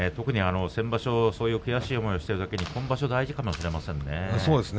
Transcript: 先場所、特に悔しい思いをしていますので今場所、大事かもしれませんね。